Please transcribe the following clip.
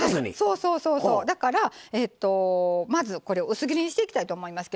だから、まず薄切りにしていきたいと思います。